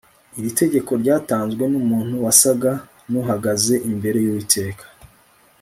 Iri tegeko ryatanzwe numuntu wasaga nuhagaze imbere yUwiteka